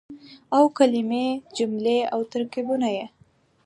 او کلمې ،جملې او ترکيبونه يې